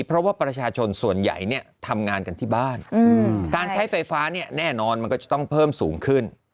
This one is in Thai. เพราะว่าประชาชนส่วนใหญ่เนี่ยทำงานกันที่บ้านการใช้ไฟฟ้าเนี่ยแน่นอนมันก็จะต้องเพิ่มสูงขึ้น